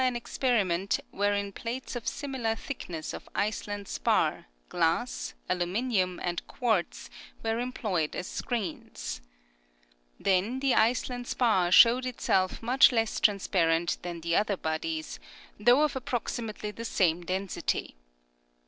59. an experiment wherein plates of similar thickness of Iceland spar, glass, aluminium and quartz were employed as screens. Then the Iceland spar showed itself much less transparent than the other bodies, though of approximately the same density.